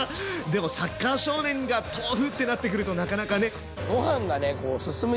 でもサッカー少年が豆腐ってなってくるとなかなかね。